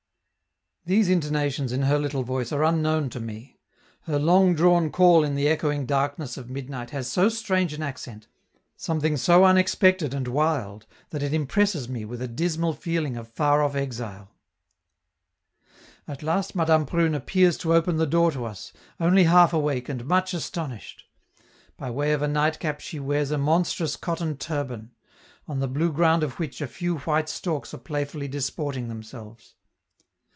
These intonations in her little voice are unknown to me; her long drawn call in the echoing darkness of midnight has so strange an accent, something so unexpected and wild, that it impresses me with a dismal feeling of far off exile. At last Madame Prune appears to open the door to us, only half awake and much astonished; by way of a nightcap she wears a monstrous cotton turban, on the blue ground of which a few white storks are playfully disporting themselves.